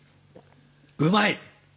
うまい。